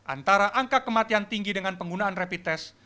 antara angka kematian tinggi dengan penggunaan rapid test